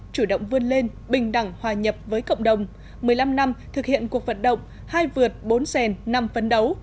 chủ động vươn lên bình đẳng hòa nhập với cộng đồng một mươi năm năm thực hiện cuộc vận động hai vượt bốn sèn năm phấn đấu